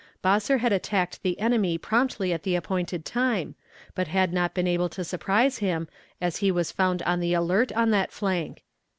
Bosser had attacked the enemy promptly at the appointed time, but had not been able to surprise him, as he was found on the alert on that flank.